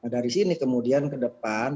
dari sini kemudian ke depan